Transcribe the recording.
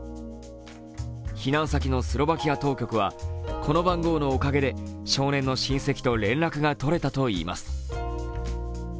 避難先のスロバキア当局はこの番号のおかげで少年の親せきと連絡がとれたといいます。